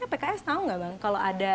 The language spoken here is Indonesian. pks tahu nggak bang kalau ada